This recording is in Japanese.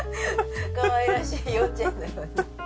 かわいらしい幼稚園ように。